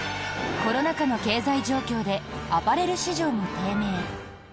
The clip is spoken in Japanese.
コロナ禍の経済状況でアパレル市場も低迷。